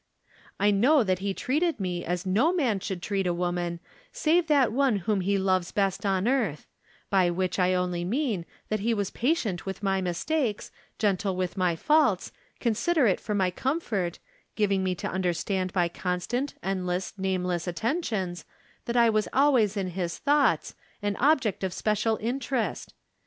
I know that he treated me as no man should treat a woman, save that one whom he loves best on earth ; by which I only mean that he was patient with my mistakes, gentle with my faults, considerate for my comfort, giv ing me to understand by constant, endless, name less attentions, that I was always in his thoughts, an object of special interest.